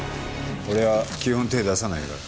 俺は基本手ぇ出さないから。